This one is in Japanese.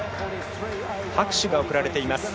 拍手が送られています。